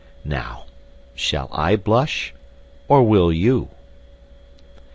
Now, shall I blush, or will you?